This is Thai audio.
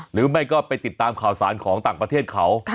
หรือไม่ก็ไปติดตามข่าวสารของต่างประเทศเขา